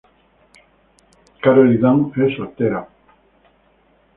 Carolyn Dunn es soltera.